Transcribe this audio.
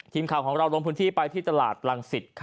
ทีมข่าวของเราลงพื้นที่ไปที่ตลาดรังสิต